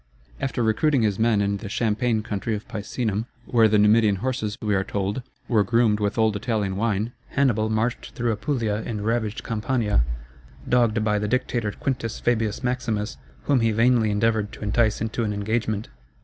After recruiting his men in the champaign country of Picenum, where the Numidian horses, we are told, were groomed with old Italian wine, Hannibal marched through Apulia and ravaged Campania, dogged by the dictator Quintus Fabius Maximus, whom he vainly endeavored to entice into an engagement.